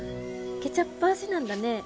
ケチャップ味なんだね。